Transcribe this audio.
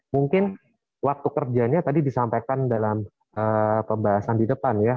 mungkin waktu kerjanya tadi disampaikan dalam pembahasan di depan ya